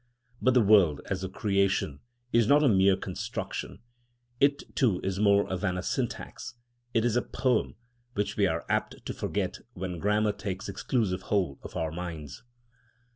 But the world, as a creation, is not a mere construction; it too is more than a syntax. It is a poem, which we are apt to forget when grammar takes exclusive hold of our minds.